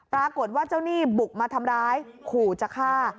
ปรากฏว่าเจ้าหนี้บุกมาทำร้ายขู่จะฆ่า